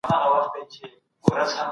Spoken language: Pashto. د خلګو په مال کي خيانت مه کوئ.